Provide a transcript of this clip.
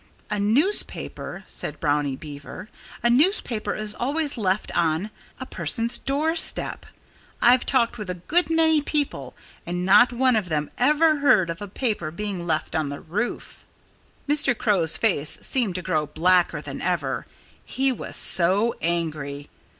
"A newspaper " said Brownie Beaver "a newspaper is always left on, a person's doorstep. I've talked with a good many people and not one of them ever heard of a paper being left on the roof." Mr. Crow's face seemed to grow blacker than ever, he was so angry.